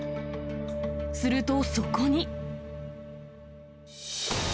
すると、そこに。